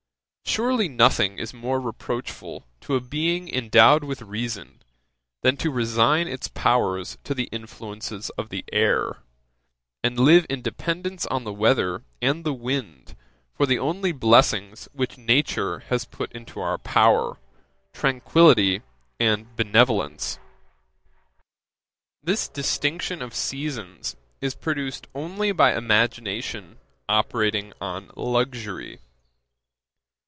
] 'Surely, nothing is more reproachful to a being endowed with reason, than to resign its powers to the influence of the air, and live in dependence on the weather and the wind for the only blessings which nature has put into our power, tranquillity and benevolence. This distinction of seasons is produced only by imagination operating on luxury.